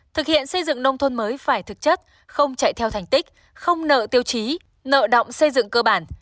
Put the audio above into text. thực hiện xây dựng nông thôn mới phải thực chất không chạy theo thành tích không nợ tiêu chí nợ động xây dựng cơ bản